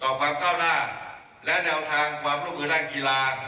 ความก้าวหน้าและแนวทางความร่วมมือด้านกีฬา